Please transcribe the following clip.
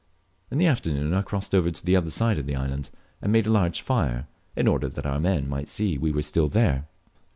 In the afternoon I crossed over to the other side of the island, and made a large fire, in order that our men might see we were still there.